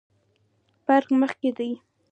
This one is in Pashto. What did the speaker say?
پارک مخ کې دی